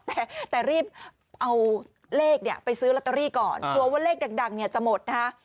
แต่รีบเอาเลขเนี่ยไปซื้อลอตเตอรี่ก่อนกลัวว่าเลขดังเนี่ยจะหมดนะฮะ